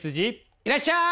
いらっしゃい！